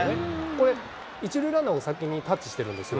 これ、１塁ランナーを先にタッチしてるんですよ。